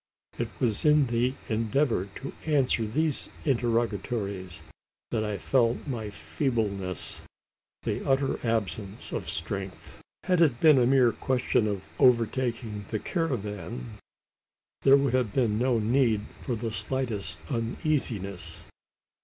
It was in the endeavour to answer these interrogatories that I felt my feebleness the utter absence of strength. Had it been a mere question of overtaking the caravan, there would have been no need for the slightest uneasiness.